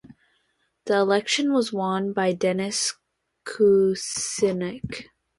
The election was won by Dennis Kucinich.